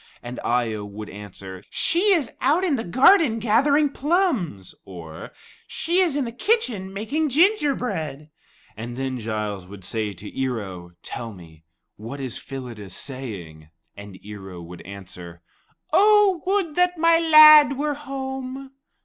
And Eye o would answer, "She is out in the garden gathering plums"; or, "she is in the kitchen making gingerbread." And then Giles would say to Ear o, "Tell me, what is Phyllida saying?" And Ear o would answer, "'Oh, would that my lad were home!'"